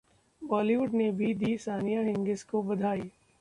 बॉलीवुड ने भी दी सानिया-हिंगिस को बधाई